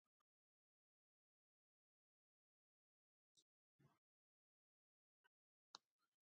د زابل په سیوري کې د ګچ نښې شته.